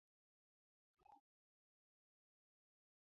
دا هغه وخت دی چې تولیدونکي توکي بازار ته یوسي